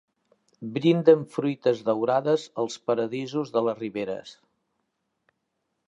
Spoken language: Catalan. Brinden fruites daurades els paradisos de les riberes.